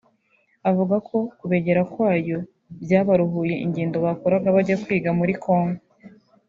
avuga ko kubegera kwayo byabaruhuye ingendo bakoraga bajya kwiga muri na Congo